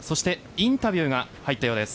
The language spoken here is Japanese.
インタビューが入ったようです。